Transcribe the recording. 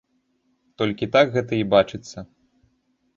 Толькі так гэта і бачыцца.